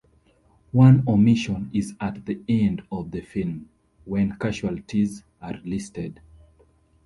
One omission is at the end of the film, when casualties are listed.